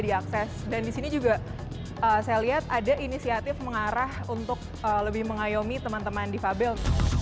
diakses dan disini juga saya lihat ada inisiatif mengarah untuk lebih mengayomi teman teman di fabel